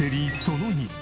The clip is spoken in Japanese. その２。